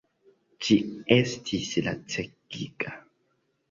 Ĝi estis lacegiga!